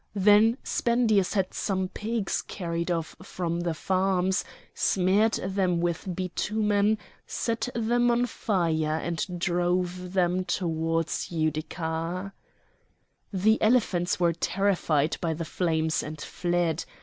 Then Spendius had some pigs carried off from the farms, smeared them with bitumen, set them on fire, and drove them towards Utica. The elephants were terrified by the flames and fled.